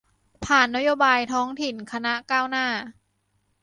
ฝ่ายนโยบายท้องถิ่นคณะก้าวหน้า